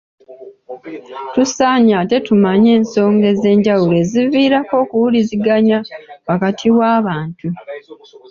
Tusaanye ate tumanye ensonga ez’enjawulo eziviirako okuwuliziganya wakati w’abantu.